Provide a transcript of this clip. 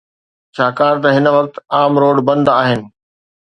ڇاڪاڻ ته هن وقت عام روڊ بند آهن.